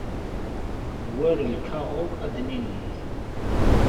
War lkaɣeḍ ad ninig.